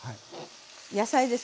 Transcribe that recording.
野菜ですね。